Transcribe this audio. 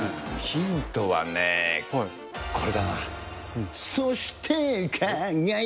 ヒントはね、これだな。